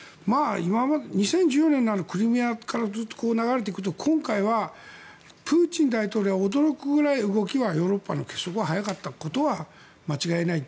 ２０１４年のクリミアからずっと流れていくと今回はプーチン大統領は驚くぐらい動きがヨーロッパの結束が早かったことは間違いない。